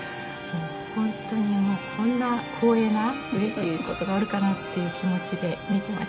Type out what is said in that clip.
本当にこんな光栄なうれしい事があるかなっていう気持ちで見ていました。